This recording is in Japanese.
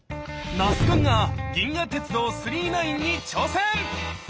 那須くんが「銀河鉄道９９９」に挑戦！